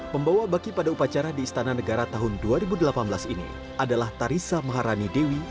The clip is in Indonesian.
pembawa baki pada upacara di istana negara tahun dua ribu delapan belas ini adalah tarisa maharani dewi